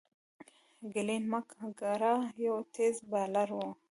گلين میک ګرا یو تېز بالر وو.